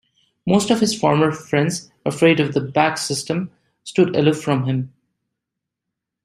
Most of his former friends, afraid of the Bach system, stood aloof from him.